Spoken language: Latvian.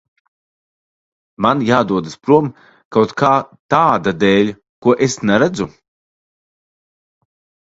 Man jādodas prom kaut kā tāda dēļ, ko es neredzu?